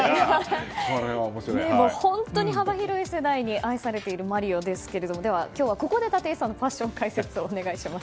本当に幅広い世代に愛されているマリオですがでは、今日はここで立石さんのパッション解説をお願いします。